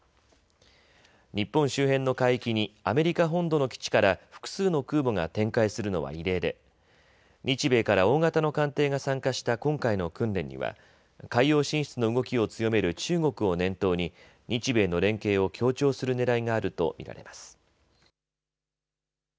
日本周辺の海域にアメリカ本土の基地から複数の空母が展開するのは異例で日米から大型の艦艇が参加した今回の訓練には海洋進出の動きを強める中国を念頭に日米の連携を強調するねらいがあると見られます。